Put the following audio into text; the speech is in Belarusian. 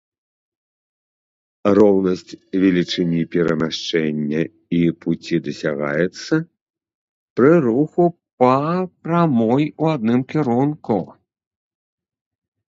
Роўнасць велічыні перамяшчэння і пуці дасягаецца пры руху па прамой у адным кірунку.